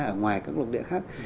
ở ngoài các lục địa khác